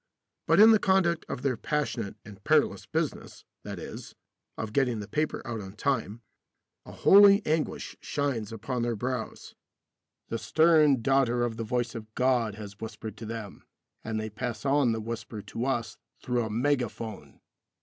But in the conduct of their passionate and perilous business, that is, of getting the paper out on time, a holy anguish shines upon their brows. The stern daughter of the voice of God has whispered to them, and they pass on the whisper to us through a mega phone.